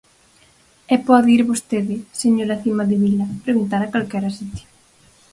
E pode ir vostede, señora Cimadevila, preguntar a calquera sitio.